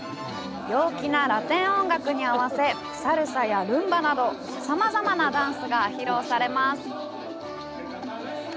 陽気なラテン音楽に合わせ、サルサや、ルンバなどさまざまなダンスが披露されます。